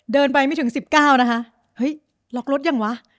เดินไปไม่ถึง๑๙นะคะเฮ้ยล็อกรถยังวะ